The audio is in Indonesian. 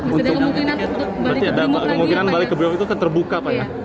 berarti ada kemungkinan balik ke brimop itu terbuka pak